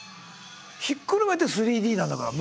ひっくるめて３Ｄなんだから。